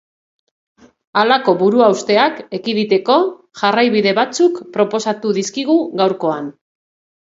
Halako buruhausteak ekiditeko jarraibide batzuk proposatu dizkigu gaurkoan.